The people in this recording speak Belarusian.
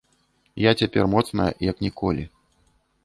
Я цяпер моцная як ніколі.